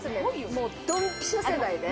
もうドンピシャ世代で。